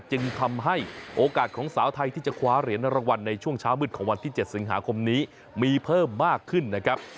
จึงทำให้โอกาสของสาวไทยที่จะคว้าเหรียญรางวัลในช่วงเช้ามืดของวันที่๗สิงหาคมนี้มีเพิ่มมากขึ้นนะครับ